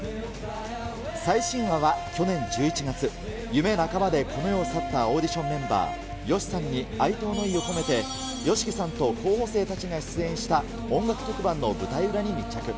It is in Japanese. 最新話は去年１１月、夢半ばでこの世を去ったオーディションメンバー、ＹＯＳＨＩさんに哀悼の意を込めて、ＹＯＳＨＩＫＩさんと候補生たちが出演した音楽特番の舞台裏に密